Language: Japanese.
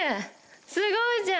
すごいじゃん！